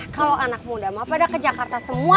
kalo anak muda mah pada ke jakarta semua